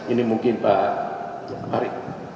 ini mungkin pak arief